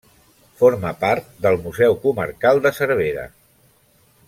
Forma part del Museu Comarcal de Cervera.